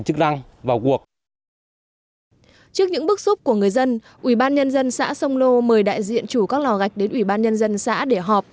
trước những bức xúc của người dân ủy ban nhân dân xã sông lô mời đại diện chủ các lò gạch đến ủy ban nhân dân xã để họp